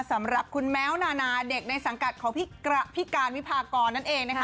สำหรับคุณแม้วนานาเด็กในสังกัดของพี่การวิพากรนั่นเองนะคะ